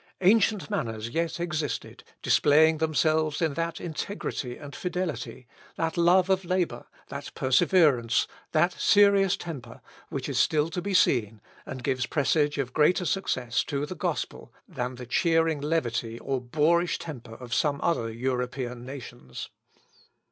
Ancient manners yet existed, displaying themselves in that integrity and fidelity, that love of labour, that perseverance, that serious temper, which is still to be seen, and gives presage of greater success to the gospel, than the jeering levity, or boorish temper of some other European nations.